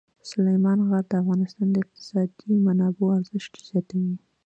سلیمان غر د افغانستان د اقتصادي منابعو ارزښت زیاتوي.